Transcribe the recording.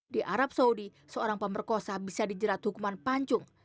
di arab saudi seorang pemerkosa bisa dijerat hukuman pancung